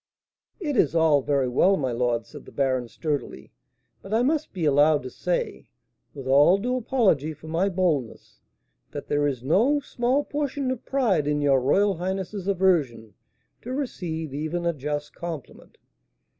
"It is all very well, my lord," said the baron, sturdily; "but I must be allowed to say (with all due apology for my boldness) that there is no small portion of pride in your royal highness's aversion to receive even a just compliment."